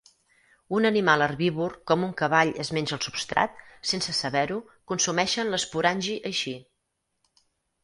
Un animal herbívor, com un cavall es menja el substrat, sense saber-ho, consumeixen l'esporangi així.